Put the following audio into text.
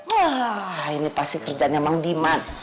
wah ini pasti kerjaan yang mang diman